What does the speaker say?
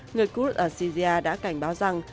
người quds ở syria đã cảnh báo rằng